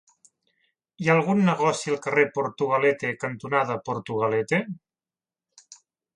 Hi ha algun negoci al carrer Portugalete cantonada Portugalete?